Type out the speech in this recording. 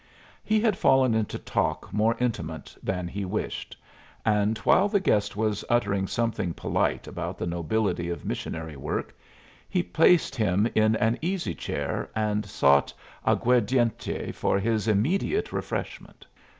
He had fallen into talk more intimate than he wished; and while the guest was uttering something polite about the nobility of missionary work, he placed him in an easy chair and sought aguardiente for his immediate refreshment.